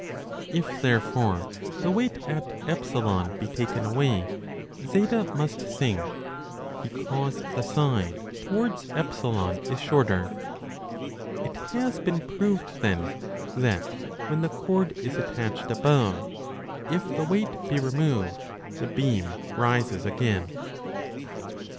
If therefore the weight at E be taken away, Z must sink, because the side towards E is shorter. It has been proved then that when the cord is attached above, if the weight be removed the beam rises again.